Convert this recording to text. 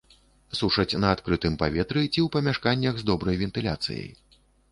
Сушаць на адкрытым паветры ці ў памяшканнях з добрай вентыляцыяй.